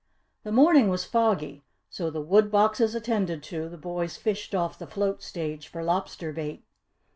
The morning was foggy so, the wood boxes attended to, the boys fished off the float stage for lobster bait.